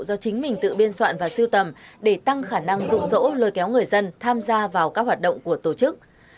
do chính mình tự biên soạn và siêu tầm để tăng khả năng rụ rỗ lôi kéo người dân tham gia vào các hoạt động của tổ chức